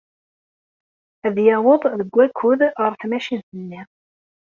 Ad yaweḍ deg wakud ɣer tmacint-nni.